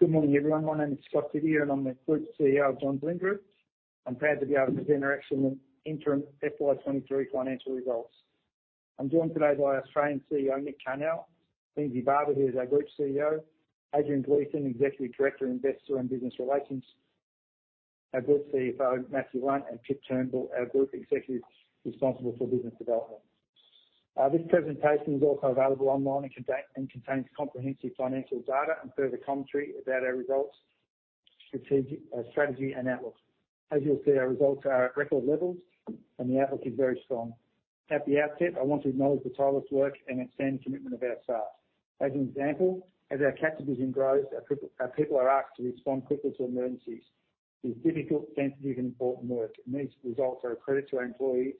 Good morning, everyone. My name is Scott Didier, and I'm the Group CEO of Johns Lyng Group. I'm proud to be able to present our excellent interim FY 23 financial results. I'm joined today by Australian CEO, Nick Carnell; Lindsay Barber, who is our Group Chief Operating Officer; Adrian Gleeson, Executive Director of Investor and Business Relations; our Group CFO, Matthew Lunn; and Pip Turnbull, our Group Executive, responsible for business development. This presentation is also available online and contains comprehensive financial data and further commentary about our results, strategy, and outlook. As you'll see, our results are at record levels and the outlook is very strong. At the outset, I want to acknowledge the tireless work and extend the commitment of our staff. As an example, as our CAT division grows, our people are asked to respond quickly to emergencies. This is difficult, sensitive, and important work. These results are a credit to our employees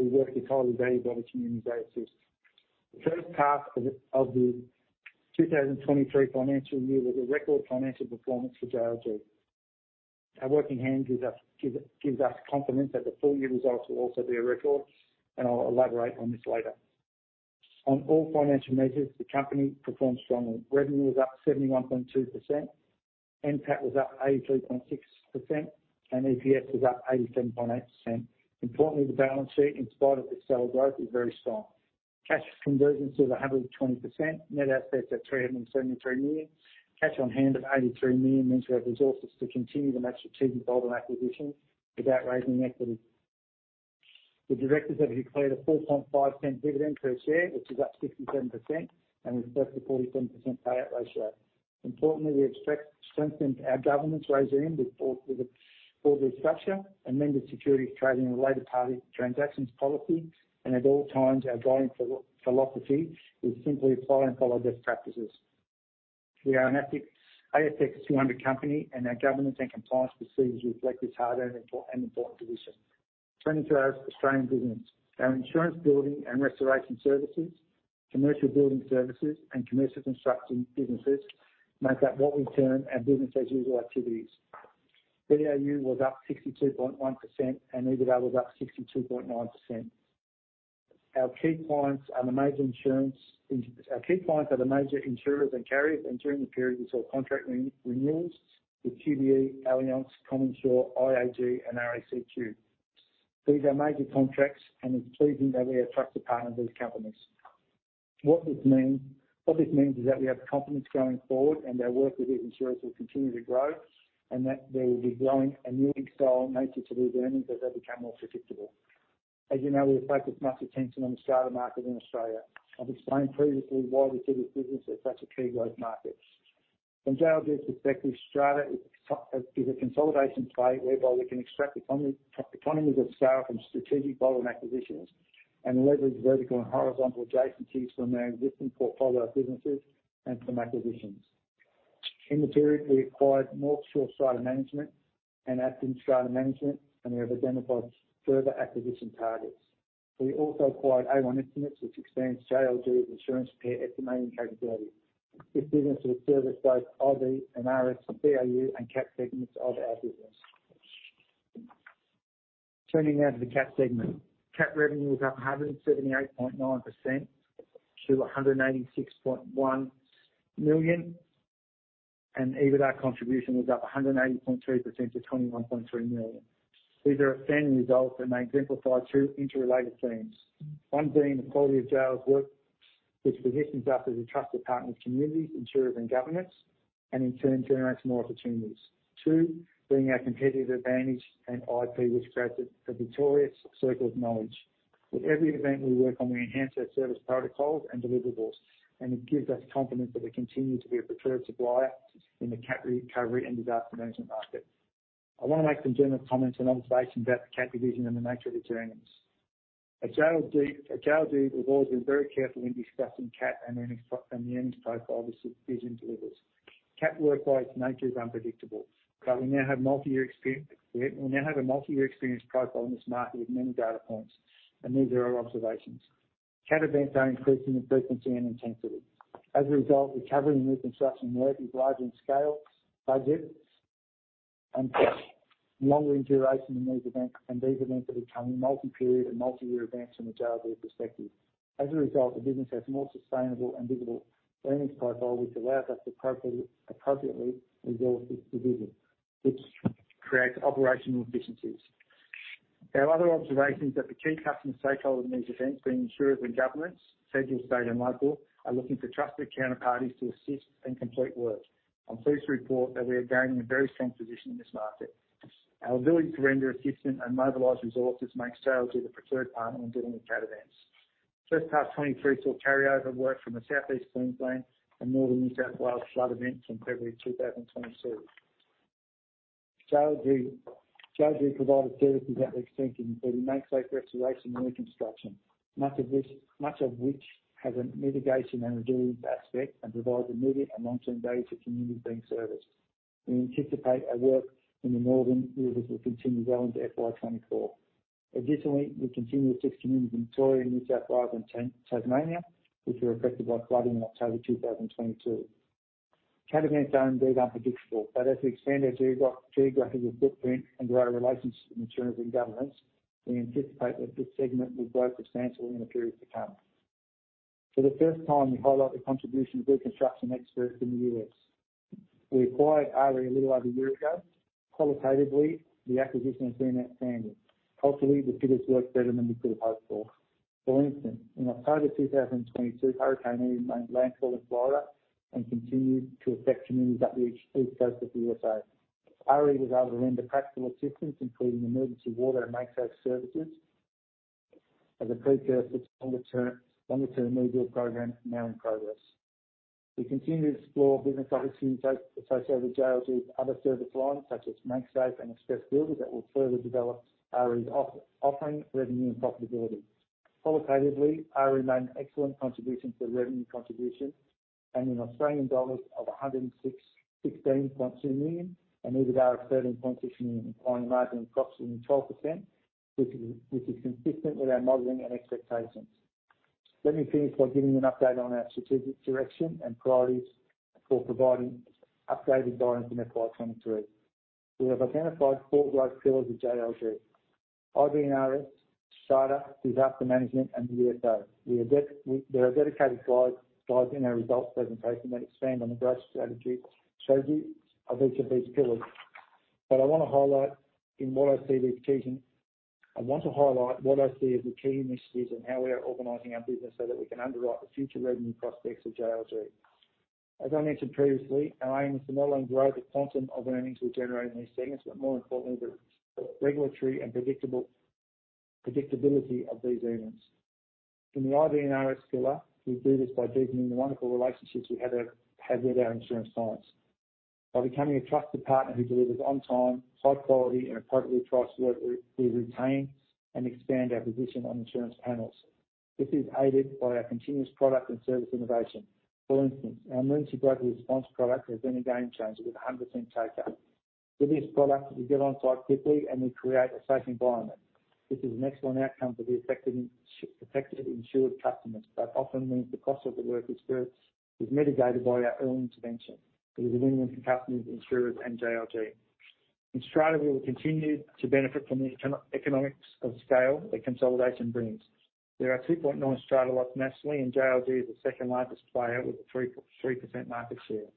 who work entirely valued by the communities they assist. The first half of the 2023 financial year was a record financial performance for JLG. Our work in hand gives us confidence that the full-year results will also be a record. I'll elaborate on this later. On all financial measures, the company performed strongly. Revenue was up 71.2%, NPAT was up 82.6%, and EPS was up 87.8%. Importantly, the balance sheet, in spite of this stellar growth, is very strong. Cash conversion is at 100%. Net assets at 373 million. Cash on hand of 83 million means we have resources to continue to match strategic bolt-on acquisitions without raising equity. The directors have declared an 0.045 dividend per share, which is up 67%. We expect a 47% Payout ratio. Importantly, we expect strength in our governance regime with the board restructure, amended securities trading, and related party transactions policy. At all times, our guiding philosophy is simply apply and follow best practices. We are an ASX 200 company. Our governance and compliance procedures reflect this hard-earned and important position. Turning to our Australian business. Our insurance building and restoration services, commercial building services, and commercial construction businesses make up what we term our business as usual activities. BAU was up 62.1%. EBITDA was up 62.9%. Our key clients are the major insurers and carriers. During the period we saw contract re-renewals with QBE, Allianz, CommInsure, IAG, and RACQ. These are major contracts, and it's pleasing that we are a trusted partner of these companies. What this means is that we have confidence going forward and our work with these insurers will continue to grow, and that there will be growing a unique style nature to these earnings as they become more predictable. As you know, we have focused much attention on the strata market in Australia. I've explained previously why we see this business as such a key growth market. From JLG's perspective, strata is a consolidation play whereby we can extract economies of scale from strategic bolt-on acquisitions and leverage vertical and horizontal adjacencies from our existing portfolio of businesses and from acquisitions. In the period, we acquired North Shore Strata Management and Acton Strata Management. We have identified further acquisition targets. We also acquired A1 Estimates, which expands JLG's insurance repair estimating category. This business will service both RB and RS, BAU, and CAT segments of our business. Turning now to the CAT segment. CAT revenue was up 178.9% to 186.1 million, and EBITDA contribution was up 180.2% to 21.3 million. These are outstanding results. They exemplify two interrelated themes. One being the quality of JLG's work, which positions us as a trusted partner with communities, insurers, and governments, and in turn generates more opportunities. Two, being our competitive advantage and IP, which creates a victorious circle of knowledge. With every event we work on, we enhance our service protocols and deliverables, and it gives us confidence that we continue to be a preferred supplier in the CAT recovery and disaster management market. I wanna make some general comments and observations about the CAT division and the nature of its earnings. At JLG, we've always been very careful in discussing CAT and the earnings profile this division delivers. CAT work, by its nature, is unpredictable, but we now have a multi-year experience profile in this market with many data points, and these are our observations. CAT events are increasing in frequency and intensity. Recovery and reconstruction work is larger in scale, budget, and longer in duration in these events, and these events are becoming multi-period and multi-year events from a JLG perspective. The business has a more sustainable and visible earnings profile which allows us to appropriately resource this division, which creates operational efficiencies. Our other observation is that the key customers stakeholders in these events, being insurers and governments, federal, state, and local, are looking for trusted counterparties to assist and complete work. I'm pleased to report that we are gaining a very strong position in this market. Our ability to render assistance and mobilize resources makes JLG the preferred partner when dealing with CAT events. First half 23 saw carryover work from the Southeast Queensland and Northern New South Wales flood events from February 2022. JLG provided services, including MakeSafe restoration and reconstruction, much of which has a mitigation and reduced aspect and provides immediate and long-term value to communities being serviced. We anticipate our work in the northern rivers will continue well into FY 24. Additionally, we continue to assist communities in Victoria, New South Wales, and Tasmania, which were affected by flooding in October 2022. CAT events are indeed unpredictable, as we expand our geographical footprint and grow our relationships with insurers and governments. We anticipate that this segment will grow substantially in the periods to come. For the first time, we highlight the contribution of Reconstruction Experts in the U.S. We acquired RE a little over a year ago. Qualitatively, the acquisition has been outstanding. Culturally, the fit has worked better than we could have hoped for. For instance, in October 2022, Hurricane Ian made landfall in Florida and continued to affect communities up the east coast of the USA. ARE was able to render practical assistance, including emergency water and MakeSafe services as a precursor to longer-term rebuild program now in progress. We continue to explore business opportunities associated with JLG's other service lines such as MakeSafe and Express Builders that will further develop ARE's offering revenue and profitability. Qualitatively, ARE remained an excellent contribution to the revenue contribution and in 116.2 million Australian dollars and EBITDA of 13.6 million, implying a margin of approximately 12% which is consistent with our Modeling and expectations. Let me finish by giving you an update on our strategic direction and priorities for providing updated guidance in FY 2023. We have identified four growth pillars at JLG: IB&RS, CYDA, disaster management, and the USA. There are dedicated slides in our results presentation that expand on the growth strategy of each of these pillars. I want to highlight what I see as the key initiatives and how we are organizing our business so that we can underwrite the future revenue prospects of JLG. As I mentioned previously, our aim is to not only grow the quantum of earnings we generate in these segments, but more importantly, the regulatory and predictability of these earnings. In the IB&RS pillar, we do this by deepening the wonderful relationships we have with our insurance clients. By becoming a trusted partner who delivers on time, high-quality, and appropriate price work, we retain and expand our position on insurance panels. This is aided by our continuous product and service innovation. For instance, our Emergency Broker Response product has been a game changer with a 100% take-up. With this product, we get on-site quickly, and we create a safe environment. This is an excellent outcome for the affected protected insured customers, but often means the cost of the work is mitigated by our early intervention. It is a win-win for customers, insurers, and JLG. In Australia, we will continue to benefit from the economics of scale that consolidation brings. There are 2.9 strata lots nationally, and JLG is the second-largest player with a 3% market share.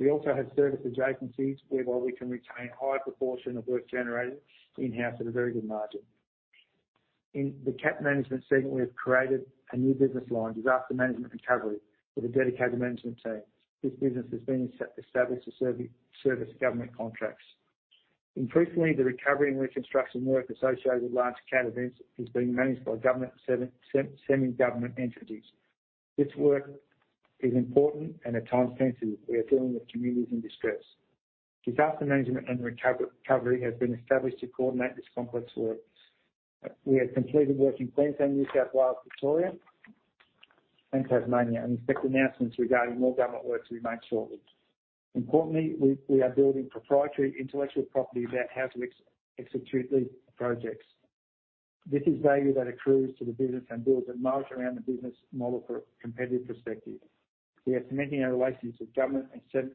We also have service adjacencies whereby we can retain a high proportion of work generated in-house at a very good margin. In the CAT management segment, we have created a new business line, Disaster Management Recovery, with a dedicated management team. This business has been established to service government contracts. Increasingly, the recovery and reconstruction work associated with large CAT events is being managed by government and semi-government entities. This work is important and at times sensitive. We are dealing with communities in distress. Disaster Management Recovery has been established to coordinate this complex work. We have completed work in Queensland, New South Wales, Victoria, and Tasmania, and expect announcements regarding more government work to be made shortly. Importantly, we are building proprietary intellectual property about how to execute these projects. This is value that accrues to the business and builds a moat around the business model for a competitive perspective. We are cementing our relations with government and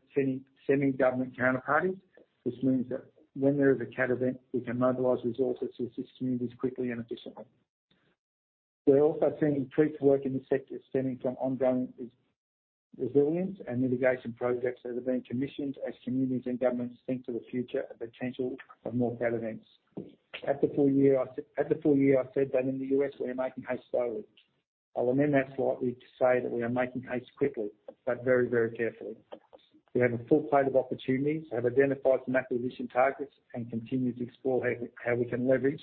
semi-government counterparties, which means that when there is a CAT event, we can mobilize resources to assist communities quickly and efficiently. We're also seeing increased work in this sector stemming from ongoing resilience and mitigation projects that are being commissioned as communities and governments think to the future the potential of more CAT events. At the full year, I said that in the U.S. we are making haste slowly. I'll amend that slightly to say that we are making haste quickly, but very, very carefully. We have a full plate of opportunities, have identified some acquisition targets, and continue to explore how we can leverage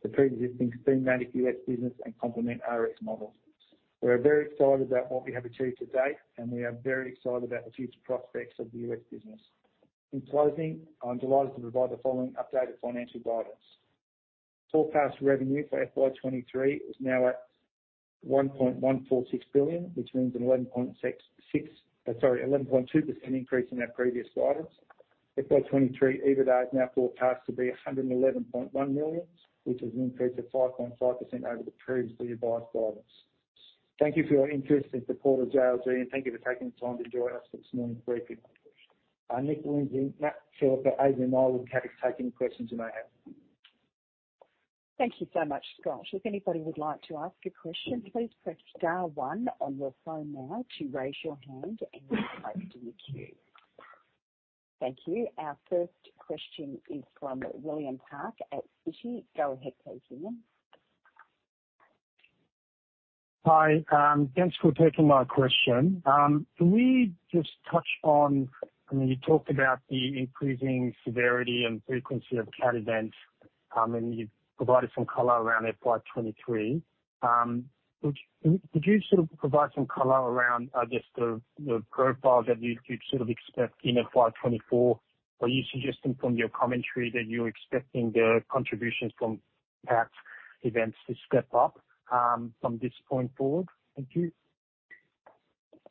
the Pre-existing thematic U.S. business and complement our risk model. We are very excited about what we have achieved to date, and we are very excited about the future prospects of the U.S. business. In closing, I'm delighted to provide the following updated financial guidance. Forecast revenue for FY 23 is now at 1.146 billion, which means an 11.2% increase in our previous guidance. FY 23 EBITDA is now forecast to be 111.1 million, which is an increase of 5.5% over the previously advised guidance. Thank you for your interest and support of JLG, and thank you for taking the time to join us for this morning's briefing. Nick, Lindsay, Matt, Pip, Adrian, and I would be happy to take any questions you may have. Thank you so much, Scott. If anybody would like to ask a question, please press star 1 on your phone now to raise your hand and be placed in the queue. Thank you. Our first question is from William Park at Citi. Go ahead, please, William. Hi. Thanks for taking my question. Can we just touch on when you talked about the increasing severity and frequency of CAT events, and you provided some color around FY23. Could you sort of provide some color around just the profile that you'd sort of expect in FY24? Are you suggesting from your commentary that you're expecting the contributions from CAT events to step up, from this point forward? Thank you.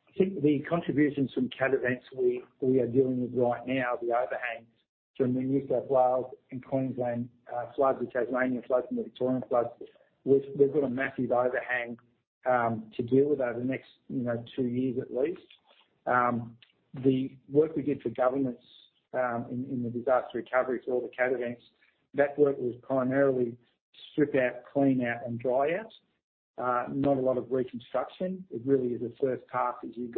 I think the contributions from CAT events we are dealing with right now, the overhangs from the New South Wales and Queensland floods, the Tasmanian floods and the Victorian floods. We've got a massive overhang to deal with over the next, you know, 2 years at least. The work we did for governments in the disaster recovery for all the CAT events, that work was primarily strip out, clean out and dry out. Not a lot of reconstruction. It really is a first task is you've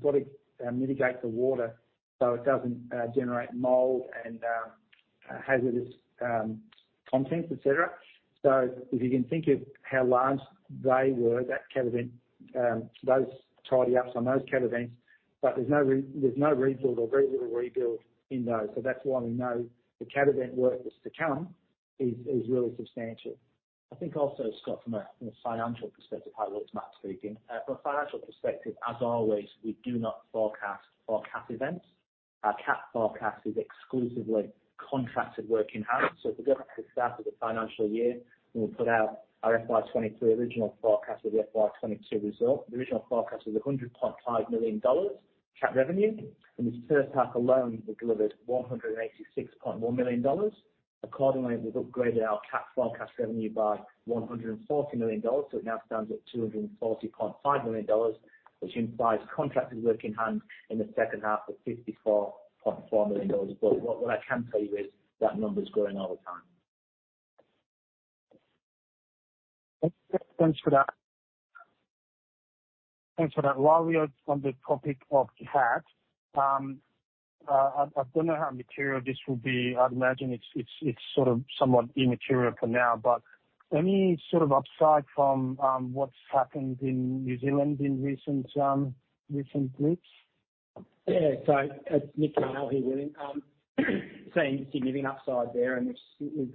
gotta mitigate the water so it doesn't generate mould and hazardous contents, et cetera. If you can think of how large they were, that CAT event, those tidy ups on those CAT events, but there's no rebuild or very little rebuild in those. That's why we know the CAT event work that's to come is really substantial. I think also, Scott, from a financial perspective, hi, it's Matt speaking. From a financial perspective, as always, we do not forecast for CAT events. Our CAT forecast is exclusively contracted work in hand. At the go to start of the financial year, when we put out our FY23 original forecast for the FY22 result, the original forecast was 100.5 million dollars CAT revenue. From this first half alone, we've delivered 186.1 million dollars. Accordingly, we've upgraded our CAT forecast revenue by 140 million dollars, so it now stands at 240.5 million dollars, which implies contracted work in hand in the second half of 54.4 million dollars. What I can tell you is that number's growing all the time. Thanks for that. While we are on the topic of CAT, I don't know how material this will be. I'd imagine it's sort of somewhat immaterial for now, but any sort of upside from what's happened in New Zealand in recent weeks? It's Nick Carnell here, William. Seeing significant upside there, and it's, we've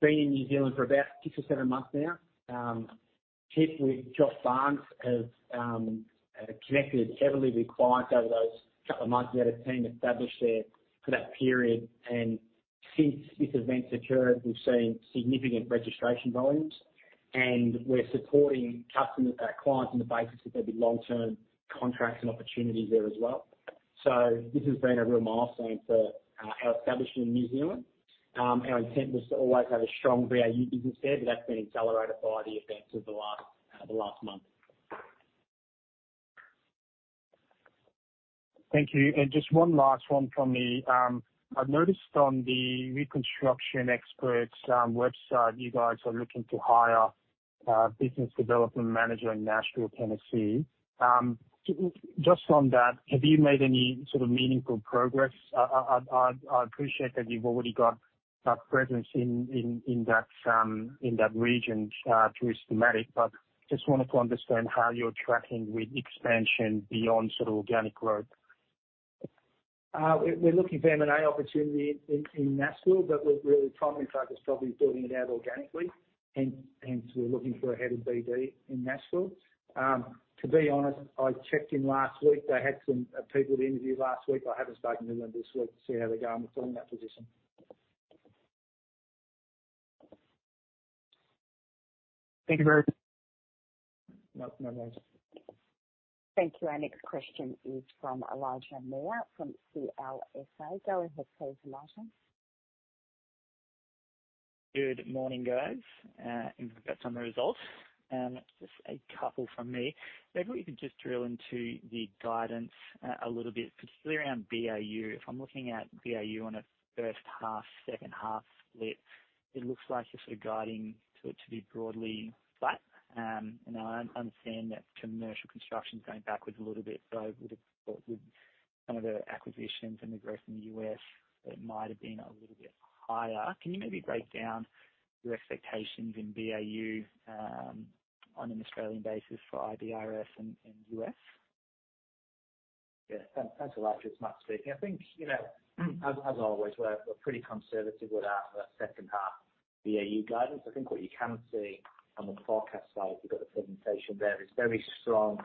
been in New Zealand for about 6 or 7 months now. Tip with Joshua Barnes has connected heavily with clients over those couple of months. We had a team established there for that period, and since this event's occurred, we've seen significant registration volumes, and we're supporting clients on the basis that there'll be long-term contracts and opportunities there as well. This has been a real milestone for our establishment in New Zealand. Our intent was to always have a strong BAU business there, but that's been accelerated by the events of the last month. Thank you. Just one last one from me. I've noticed on the Reconstruction Experts website, you guys are looking to hire a business development manager in Nashville, Tennessee. Just on that, have you made any sort of meaningful progress? I appreciate that you've already got a presence in that region through Steamatic, just wanted to understand how you're tracking with expansion beyond sort of organic growth. We're looking for M&A opportunity in Nashville, but we're really primarily focused probably building it out organically. Hence, we're looking for a head of BD in Nashville. To be honest, I checked in last week. They had some people to interview last week. I haven't spoken to them this week to see how they're going with filling that position. Thank you very much. No worries. Thank you. Our next question is from Elijah Moore from CLSA. Go ahead, please, Elijah. Good morning, guys. Congrats on the results. Just a couple from me. Maybe if we could just drill into the guidance a little bit, particularly around BAU. If I'm looking at BAU on a first half, second half split, it looks like you're sort of guiding to be broadly flat. I understand that commercial construction is going backwards a little bit, so with some of the acquisitions and the growth in the US, it might have been a little bit higher. Can you maybe break down your expectations in BAU on an Australian basis for IBRS and US? Thanks, Elijah. It's Matt speaking. I think, you know, as always, we're pretty conservative with our second half BAU guidance. I think what you can see on the forecast side, if you go to the presentation there, is very strong,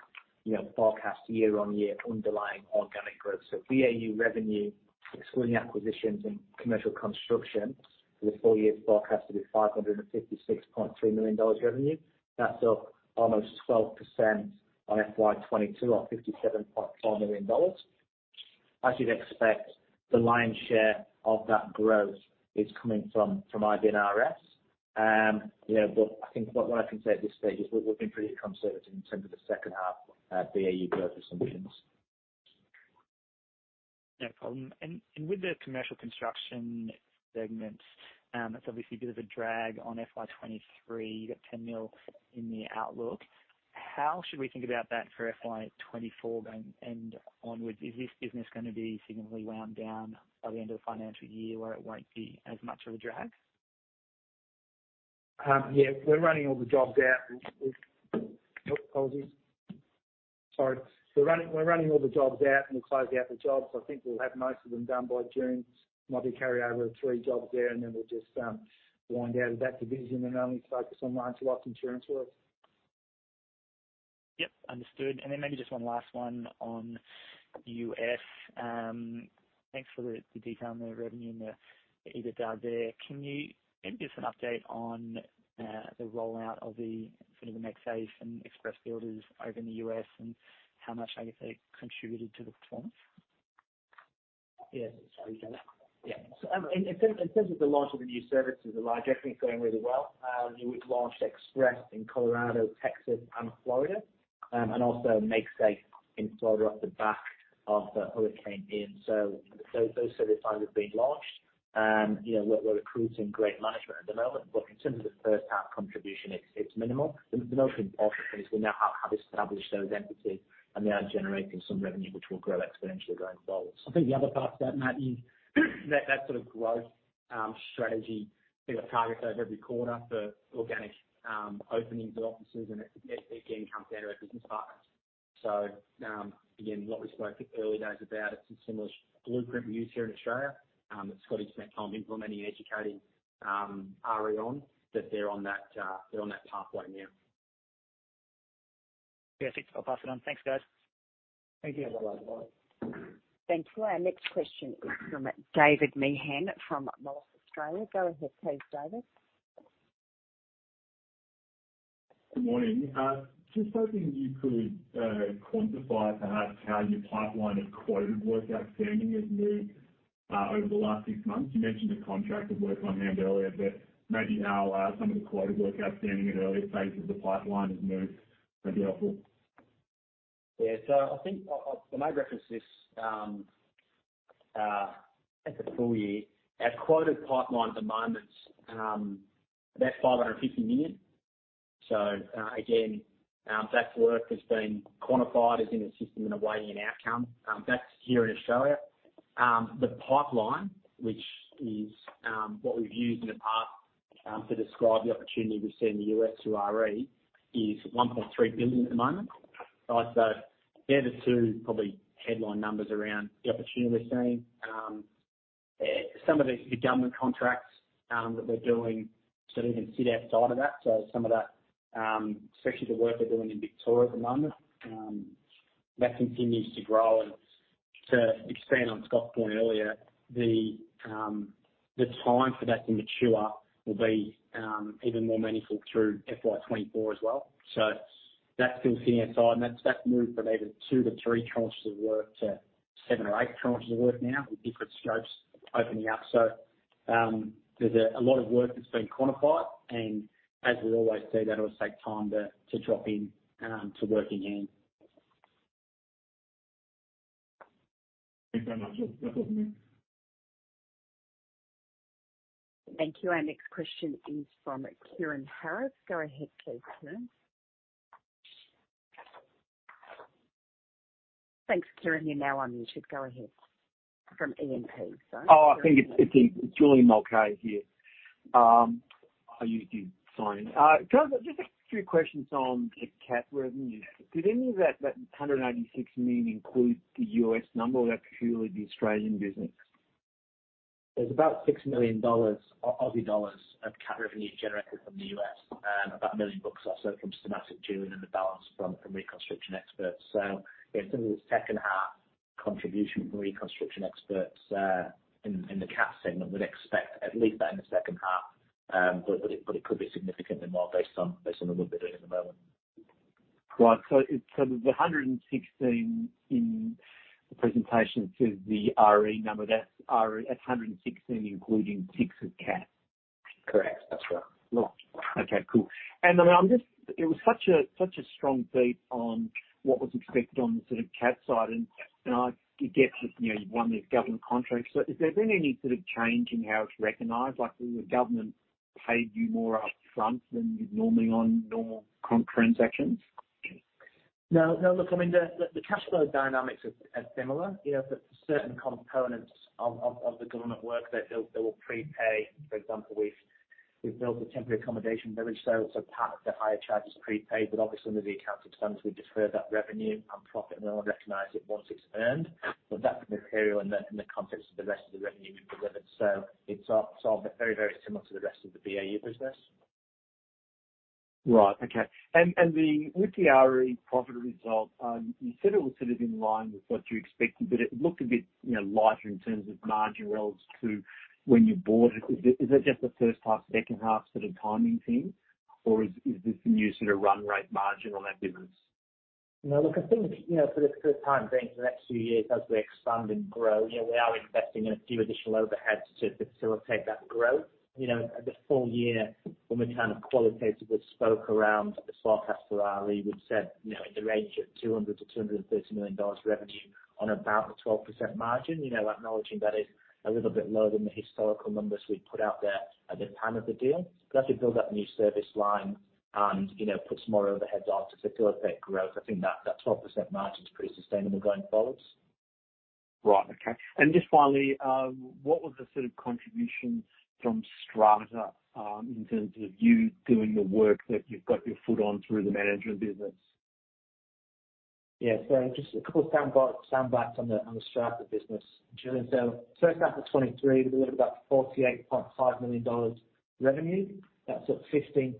you know, forecast year-on-year underlying organic growth. BAU revenue, excluding acquisitions and commercial construction for the full year is forecast to be 556.3 million dollars revenue. That's up almost 12% on FY22 or 57.4 million dollars. As you'd expect, the lion's share of that growth is coming from IBRS. I think what I can say at this stage is we're being pretty conservative in terms of the second half BAU growth assumptions. No problem. With the commercial construction segment, that's obviously a bit of a drag on FY23. You've got 10 million in the outlook. How should we think about that for FY24 going and onwards? Is this business gonna be significantly wound down by the end of the financial year where it won't be as much of a drag? Yeah. We're running all the jobs out. Apologies. Sorry. We're running all the jobs out and we close out the jobs. I think we'll have most of them done by June. Might be carryover of 3 jobs there. Then we'll just wind down of that division and only focus on lines of insurance work. Yep, understood. Maybe just one last one on U.S. Thanks for the detail on the revenue and the EBITDA there. Can you give us an update on the rollout of the sort of the MakeSafe and Express Builders over in the U.S., and how much are they contributing to the performance? Yes. Sorry, Elijah. Yeah. In terms of the launch of the new services, the large equity is going really well. We've launched Express in Colorado, Texas, and Florida, and also MakeSafe in Florida off the back of the hurricane hit in. Those services have been launched. You know, we're recruiting great management at the moment, but in terms of the first half contribution, it's minimal. The most important thing is we now have established those entities and they are generating some revenue which will grow exponentially going forward. I think the other part to that, Matt, is that sort of growth, strategy. We've got targets over every quarter for organic, openings of offices and it again comes down to our business partners. Again, what we spoke early days about, it's a similar blueprint we use here in Australia, that Scotty spent time implementing and educating, RE on, that they're on that, they're on that pathway now. Perfect. I'll pass it on. Thanks, guys. Thank you. Thanks a lot. Bye. Thank you. Our next question is from David Meehan from Moelis Australia. Go ahead please, David. Good morning. Just hoping you could quantify perhaps how your pipeline of quoted work outstanding has moved over the last 6 months. You mentioned the contract of work on hand earlier, maybe how some of the quoted work outstanding at an earlier phase of the pipeline has moved may be helpful. I think I made reference to this at the full year. Our quoted pipeline at the moment's about 550 million. Again, that work has been quantified, is in the system, and awaiting an outcome. That's here in Australia. The pipeline, which is what we've used in the past to describe the opportunity we see in the U.S. through RE, is 1.3 billion at the moment. Right? They're the two probably headline numbers around the opportunity we're seeing. Some of the government contracts that we're doing, sort of even sit outside of that. Some of that, especially the work we're doing in Victoria at the moment, that continues to grow. To expand on Scott's point earlier, the time for that to mature will be even more meaningful through FY 2024 as well. That's still sitting outside and that's moved from maybe 2 to 3 tranches of work to 7 or 8 tranches of work now with different scopes opening up. There's a lot of work that's been quantified, and as we always say, that it will take time to drop in to work in hand. Thanks very much. Thank you. Our next question is from Kieran Harris. Go ahead please, Kieran. Thanks, Kieran. You're now unmuted. Go ahead. From E&P, sorry. I think it's Julian Mulcahy here. You did sign in. Just a few questions on the CAT revenue. Did any of that 186 million include the US number or that's purely the Australian business? There's about 6 million Aussie dollars of CAT revenue generated from the U.S., about 1 million bucks or so from Steamatic Drilling and the balance from Reconstruction Experts. In terms of second half contribution from Reconstruction Experts, in the CAT segment, we'd expect at least that in the second half, but it could be significantly more based on what we're doing at the moment. Right. The 116 in the presentation says the RE number. That's RE, that's 116 including 6 of CAT? Correct. That's right. Right. Okay, cool. It was such a strong beat on what was expected on the sort of CAT side. I get that, you know, you've won these government contracts. Is there been any sort of change in how it's recognized? Like, will the government pay you more up front than you'd normally on normal transactions? No, look, I mean, the cash flow dynamics are similar. You know, for certain components of the government work that they will prepay. For example, we've built a temporary accommodation village, so part of the higher charge is prepaid, but obviously under the account expense, we defer that revenue and profit and we'll recognize it once it's earned. That's immaterial in the context of the rest of the revenue we've delivered. It's sort of very similar to the rest of the BAU business. Right. Okay. With the RE profit result, you said it was sort of in line with what you expected, but it looked a bit, you know, lighter in terms of margin relative to when you bought it. Is it just a first half, second half sort of timing thing, or is this the new sort of run rate margin on that business? No, look, I think, you know, for the first time being for the next few years, as we expand and grow, you know, we are investing in a few additional overheads to facilitate that growth. You know, the full year when we kind of qualitatively spoke around the forecast for RE, we've said, you know, in the range of 200 million-230 million dollars revenue on about a 12% margin. You know, acknowledging that is a little bit lower than the historical numbers we'd put out there at the time of the deal. As we build that new service line and, you know, put some more overheads on to facilitate that growth, I think that 12% margin is pretty sustainable going forward. Right. Okay. Just finally, what was the sort of contribution from Strata, in terms of you doing the work that you've got your foot on through the management business? Yeah. Just a couple of soundbites on the Strata business, Julian. First half of 2023, we delivered about 48.5 million dollars revenue. That's up 15%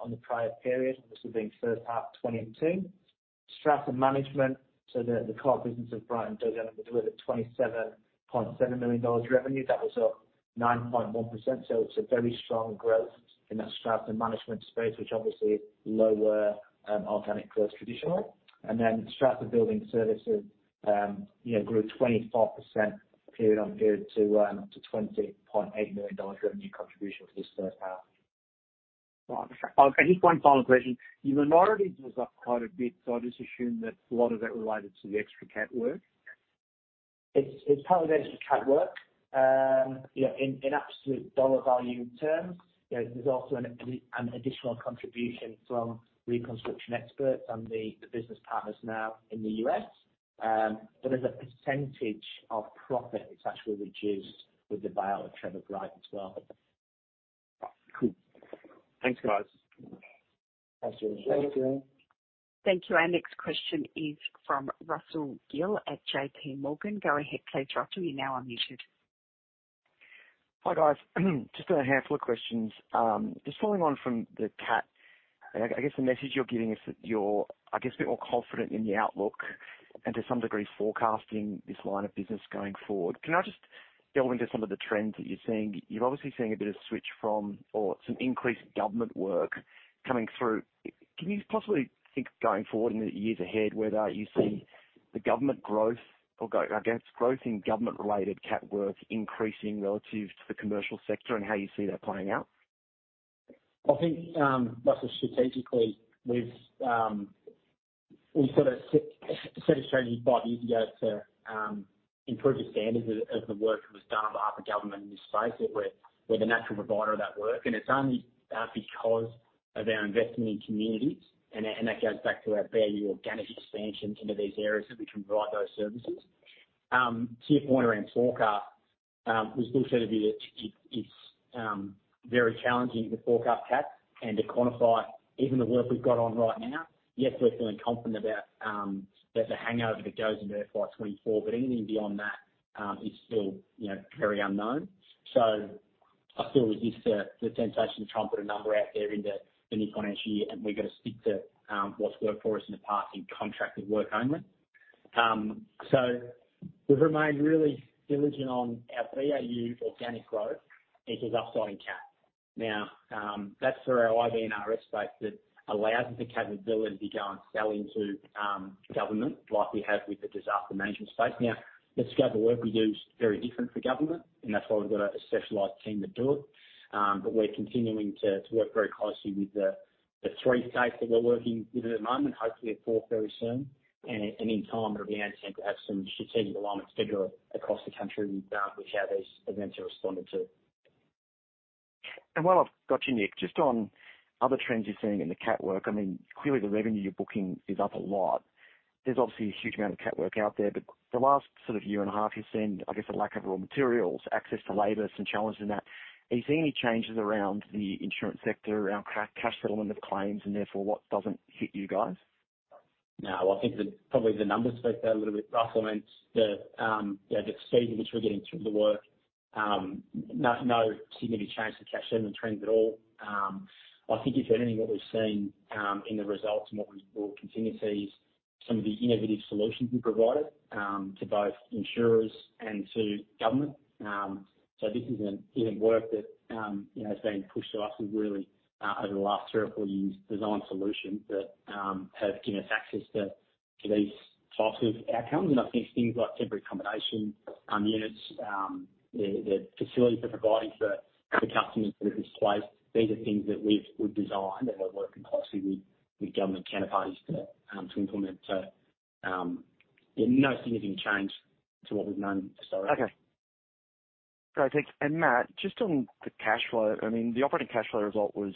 on the prior period, obviously being first half 2022. Strata Management, so the core business of buy and build, we delivered 27.7 million dollars revenue. That was up 9.1%. It's a very strong growth in that Strata Management space, which obviously is lower, organic growth traditionally. Strata Building Services, you know, grew 24% period on period to 20.8 million dollars revenue contribution for this first half. Right. Just one final question. Your minorities was up quite a bit, I just assume that a lot of that related to the extra CAT work. It's part of the extra CAT work. You know, in absolute dollar value terms. You know, there's also an additional contribution from Reconstruction Experts and the business partners now in the US. As a percentage of profit, it's actually reduced with the buyout of Trevor Bright as well. Cool. Thanks, guys. Pleasure. Thank you. Thank you. Our next question is from Russell Gill at JPMorgan. Go ahead please, Russell. You're now unmuted. Hi, guys. Just a handful of questions. Just following on from the CAT. I guess the message you're giving us that you're, I guess, a bit more confident in the outlook and to some degree, forecasting this line of business going forward. Can I just delve into some of the trends that you're seeing? You're obviously seeing a bit of switch from or some increased government work coming through. Can you possibly think going forward in the years ahead whether you see the government growth or go against growth in government related CAT work increasing relative to the commercial sector and how you see that playing out? I think, Russell, strategically, we've, we sort of set a strategy five years ago to improve the standards of the work that was done on behalf of government in this space. That we're the natural provider of that work. It's only because of our investment in communities, and that goes back to our BAU organic expansions into these areas that we can provide those services. To your point around forecast, we've still said to be that it's very challenging to forecast CAT and to quantify even the work we've got on right now. Yes, we're feeling confident about there's a hangover that goes into FY 2024, but anything beyond that is still, you know, very unknown. I feel resist the temptation to try and put a number out there into the new financial year, and we're gonna stick to what's worked for us in the past in contracted work only. We've remained really diligent on our BAU organic growth, which is upsiding CAT. Now, that's for our IB&RS state that allows the capability to go and sell into government like we have with the disaster management space. Now, the scope of work we do is very different for government, and that's why we've got a specialized team that do it. We're continuing to work very closely with the three states that we're working with at the moment, hopefully a fourth very soon. In time, it'll be our intent to have some strategic alignment federal across the country with, which how these events are responded to. While I've got you, Nick, just on other trends you're seeing in the CAT work, I mean, clearly the revenue you're booking is up a lot. There's obviously a huge amount of CAT work out there, but the last sort of year and a half, you're seeing, I guess, a lack of raw materials, access to labor, some challenges in that. Are you seeing any changes around the insurance sector, around cash settlement of claims and therefore what doesn't hit you guys? No, I think the, probably the numbers speak that a little bit, Russell. I mean, the, you know, the speed at which we're getting through the work, no significant change to cash settlement trends at all. I think if anything, what we've seen in the results and what we will continue to see is some of the innovative solutions we've provided to both insurers and to government. This isn't even work that, you know, has been pushed to us. We've really over the last 3 or 4 years, designed solutions that have given us access to these types of outcomes. I think things like temporary accommodation, units, the facilities we're providing for customers that are displaced, these are things that we've designed and we're working closely with government counterparties to implement. Yeah, no significant change to what we've known historically. Okay. Great. Thanks. Matt, just on the cash flow, I mean, the operating cash flow result was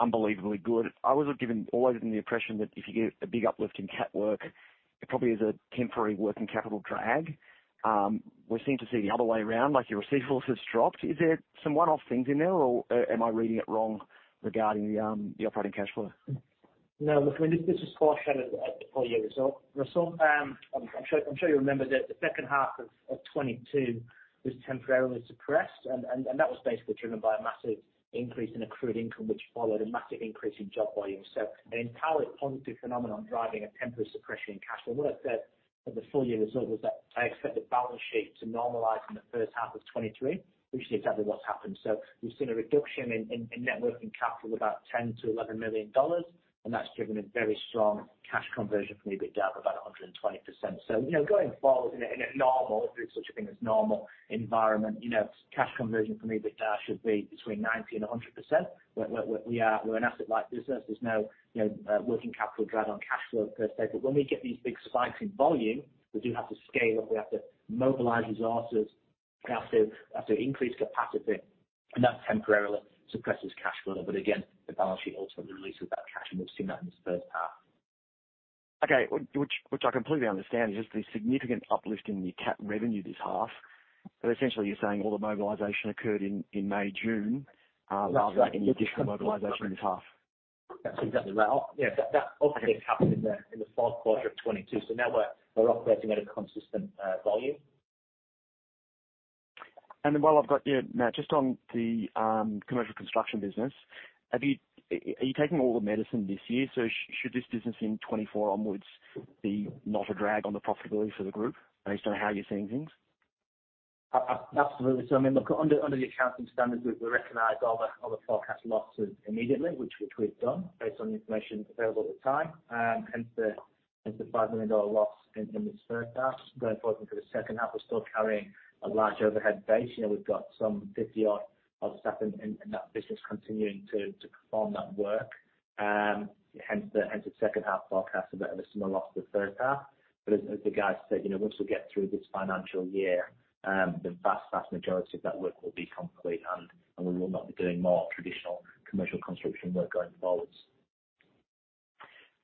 unbelievably good. I was given always under the impression that if you get a big uplift in CAT work, it probably is a temporary working capital drag. We seem to see the other way around, like your receivables has dropped. Is there some one-off things in there or am I reading it wrong regarding the operating cash flow? No, look, I mean, this is foreshadowed at the full year result, Russell. I'm sure you remember that the second half of 2022 was temporarily suppressed. That was basically driven by a massive increase in accrued income, which followed a massive increase in job volume. An entirely positive phenomenon driving a temporary suppression in cash flow. What I said at the full year result was that I expect the balance sheet to normalize in the first half of 2023, which is exactly what's happened. We've seen a reduction in net working capital of about 10 million-11 million dollars, and that's driven a very strong cash conversion for me, a bit down to about 120%. You know, going forward in a, in a normal, if there's such a thing as normal environment, you know, cash conversion for me, a bit down should be between 90 and 100%. We're an asset light business. There's no, you know, working capital drive on cash flow per se. When we get these big spikes in volume, we do have to scale up. We have to mobilize resources. We have to increase capacity, and that temporarily suppresses cash flow. Again, the balance sheet ultimately releases that cash, and we've seen that in this first half. Okay. Which I completely understand is just the significant uplift in your CAT revenue this half. Essentially you're saying all the mobilization occurred in May, June, rather than any additional mobilization this half. That's exactly right. Yeah, that ultimately happened in the second quarter of 2022. Now we're operating at a consistent volume. While I've got you, Matt, just on the commercial construction business, Are you taking all the medicine this year? Should this business in 2024 onwards be not a drag on the profitability for the group based on how you're seeing things? Absolutely. I mean, look, under the accounting standards, we recognize all the forecast losses immediately, which we've done based on the information available at the time, hence the 5 million dollar loss in this first half. Going forward for the second half, we're still carrying a large overhead base. You know, we've got some 50 odd staff in that business continuing to perform that work. Hence the second half forecast a bit of a similar loss to the third half. As the guys said, you know, once we get through this financial year, the vast majority of that work will be complete and we will not be doing more traditional commercial construction work going forwards.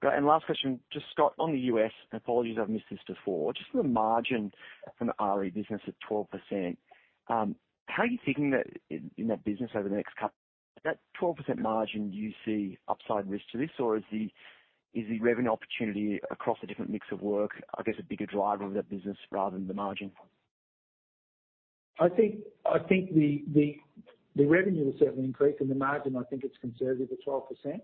Great. Last question, just Scott, on the U.S., apologies if I've missed this before. Just on the margin from the RE business at 12%, how are you thinking that in that business? That 12% margin, do you see upside risk to this or is the revenue opportunity across a different mix of work, I guess, a bigger driver of that business rather than the margin? I think the revenue will certainly increase and the margin, I think it's conservative at 12%.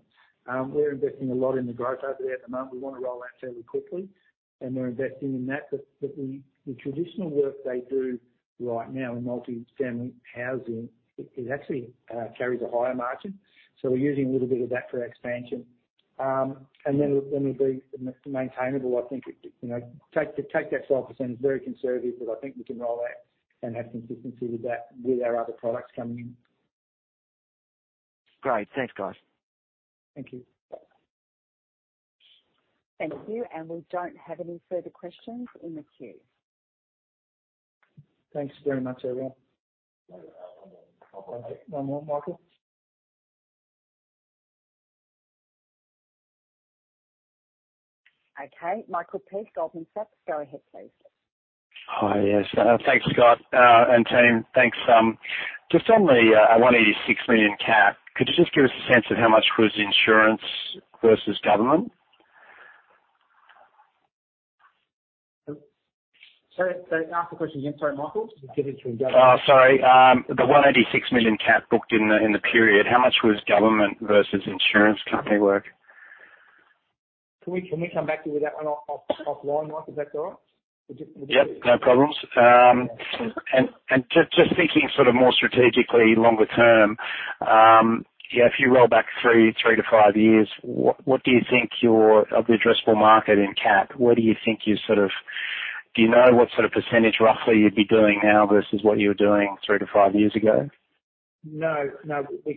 We're investing a lot in the growth over there at the moment. We wanna roll out fairly quickly and we're investing in that. The traditional work they do right now in multifamily housing, it actually carries a higher margin. We're using a little bit of that for expansion. Then it'll be maintainable. I think it, you know, take that 12% is very conservative, but I think we can roll that and have consistency with that, with our other products coming in. Great. Thanks, guys. Thank you. Thank you. We don't have any further questions in the queue. Thanks very much, everyone. No, one more. Michael. One more, Michael. Okay. Michael Paese, Goldman Sachs. Go ahead, please. Hi, yes. Thanks, Scott, and team. Thanks. Just on the 186 million cap, could you just give us a sense of how much was insurance versus government? Sorry. Ask the question again. Sorry, Michael. You did it through government. Oh, sorry. The 186 million cap booked in the period, how much was government versus insurance company work? Can we come back to you with that offline, Mike? Is that all right? With just… Yep, no problems. Just thinking sort of more strategically longer term, if you roll back 3 to 5 years, of the addressable market in cap? Do you know what sort of % roughly you'd be doing now versus what you were doing 3 to 5 years ago? No, no. We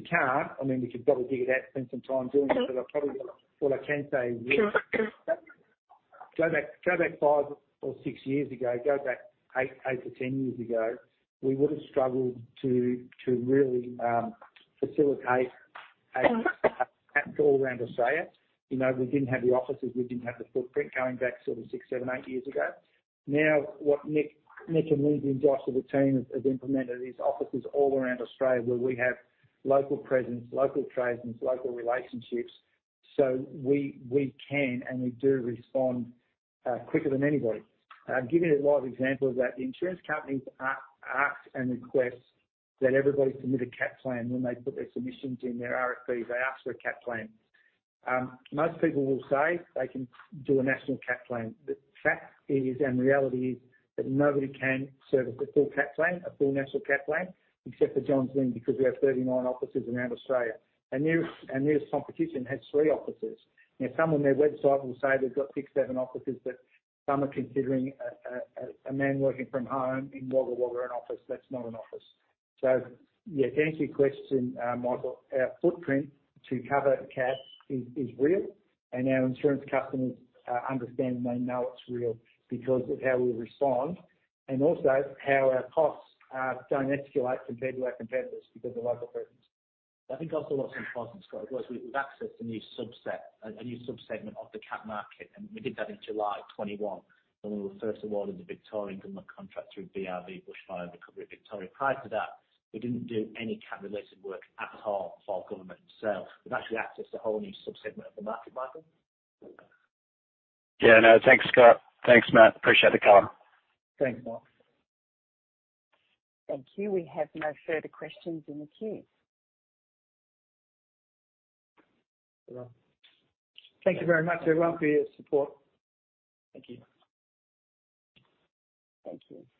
can't. I mean, we could probably dig it out, spend some time doing it. Mm-hmm. What I can say is... Sure. Go back five or six years ago, go back eight to 10 years ago, we would have struggled to really facilitate a cap all around Australia. You know, we didn't have the offices, we didn't have the footprint going back sort of six, seven, eight years ago. What Nick (Aminzi) and Josh and the team has implemented is offices all around Australia where we have local presence, local tradesmen, local relationships. We can and we do respond quicker than anybody. Giving a live example of that, the insurance companies ask and request that everybody submit a cap plan when they put their submissions in their RFPs. They ask for a cap plan. Most people will say they can do a national cap plan. The fact is, and reality is, that nobody can service a full cap plan, a full national cap plan, except for Johns Lyng because we have 39 offices around Australia. Our nearest competition has 3 offices. Now, some on their website will say they've got six, seven offices, but some are considering a man working from home in Wagga Wagga an office. That's not an office. Yeah, to answer your question, Michael, our footprint to cover cap is real. Our insurance customers understand and they know it's real because of how we respond and also how our costs don't escalate compared to our competitors because of local presence. I think also what's important, Scott, was we've accessed a new subset, a new subsegment of the cat market. We did that in July 2021 when we were first awarded the Victorian government contract through BRV, Bushfire Recovery Victoria. Prior to that, we didn't do any CAT related work at all for government itself. We've actually accessed a whole new subsegment of the market, Michael. Yeah, I know. Thanks, Scott. Thanks, Matt. Appreciate the call. Thanks, Michael. Thank you. We have no further questions in the queue. Thank you very much, everyone, for your support. Thank you. Thank you.